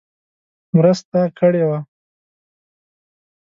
مرسته کړې وه.